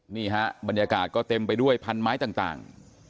นี่ฮะบรรยากาศก็เต็มไปด้วยพันไม้ต่าง